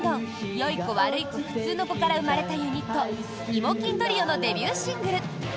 良い子悪い子普通の子」から生まれたユニットイモ欽トリオのデビューシングル。